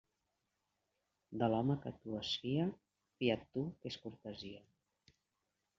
De l'home que de tu es fia, fia't tu, que és cortesia.